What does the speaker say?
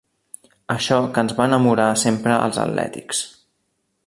Això que ens va enamorar sempre als atlètics.